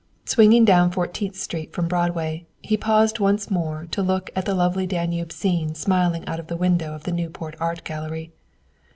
Swinging down Fourteenth Street from Broadway, he paused once more to look at the lovely Danube scene smiling out from the window of the Newport Art Gallery.